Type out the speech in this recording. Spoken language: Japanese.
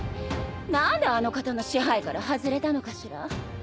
何であの方の支配から外れたのかしら？